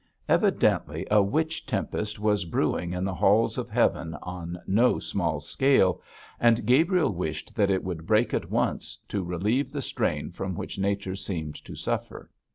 Evidently a witch tempest was brewing in the halls of heaven on no small scale, and Gabriel wished that it would break at once to relieve the strain from which nature seemed to suffer.